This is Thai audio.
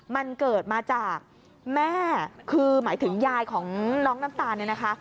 มันเกิดมาจากแม่คือหมายถึงยายของน้องน้ำตาลเนี่ยนะคะ